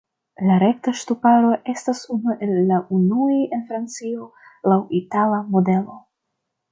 La rekta ŝtuparo estas unu el la unuaj en Francio, laŭ itala modelo.